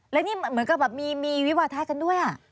แล้วนี่เหมือนกับมีวิวัฒน์ท้ายกันด้วย